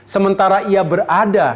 sementara ia berada